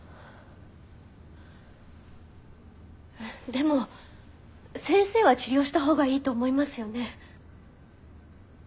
でも先生は治療したほうがいいと思いますよね？